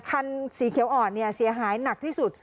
คันสีเขียวอ่อนเนี่ยเสียหายหนักที่สุด